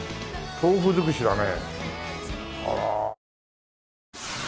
豆腐づくしだね。